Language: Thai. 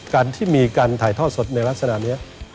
การที่มีการถ่ายทอดสดในลักษณะนี้